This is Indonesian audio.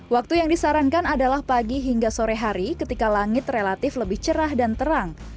waktu yang disarankan adalah pagi hingga sore hari ketika langit relatif lebih cerah dan terang